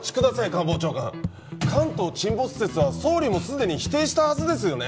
官房長官関東沈没説は総理もすでに否定したはずですよね？